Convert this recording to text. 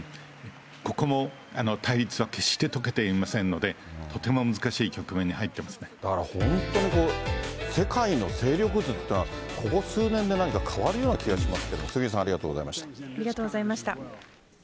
ここも対立は決してとけていませんので、とても難しい局面にだから本当にこう、世界の勢力図っていうのは、ここ数年で何か変わるような気がしますけれども、杉上さん、ありありがとうございました。